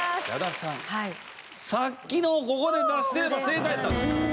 さっきのをここで出してれば正解やったんです。